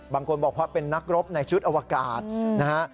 บางคนบอกว่าเป็นนักรบในชุดอวกาศนะฮะ